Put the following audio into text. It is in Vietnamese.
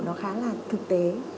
nó khá là thực tế